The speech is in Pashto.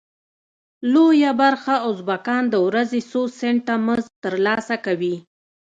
لویه برخه ازبکان د ورځې څو سنټه مزد تر لاسه کوي.